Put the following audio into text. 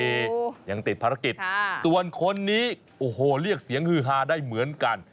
โอ้โหยังติดภารกิจส่วนคนนี้โอ้โหเรียกเสียงฮือฮาได้เหมือนกัน